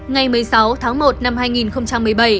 ngày một mươi sáu tháng một năm hai nghìn một mươi bảy